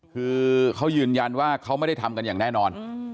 คือเขายืนยันว่าเขาไม่ได้ทำกันอย่างแน่นอน